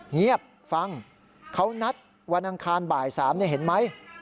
เงียบฟังเขานัดวันอังคารบ่าย๓เห็นไหม